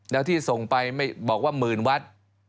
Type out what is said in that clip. แล้วที่ส่งไปบอกว่าหมื่นวัด